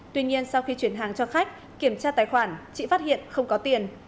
tuy nhiên sau khi chuyển hàng cho khách kiểm tra tài khoản chị phát hiện không có tiền